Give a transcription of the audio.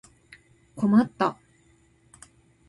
困った